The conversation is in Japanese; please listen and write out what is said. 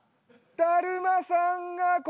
だるまさん。